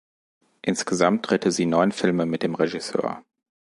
Insgesamt drehte sie neun Filme mit dem Regisseur.